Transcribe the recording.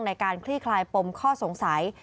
ในการคลี่คลายปมข้อสงสัย